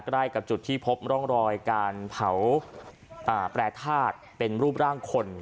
ใกล้กับจุดที่พบร่องรอยการเผาแปรทาสเป็นรูปร่างคน